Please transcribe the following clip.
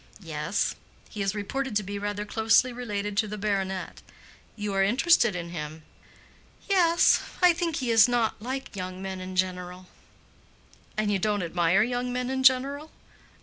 "Yes. He is reported to be rather closely related to the baronet. You are interested in him?" "Yes. I think he is not like young men in general." "And you don't admire young men in general?"